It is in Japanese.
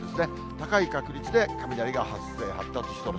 高い確率で雷が発生、発達しそう。